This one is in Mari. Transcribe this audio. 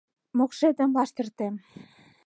Мокшетым лаштыртем!..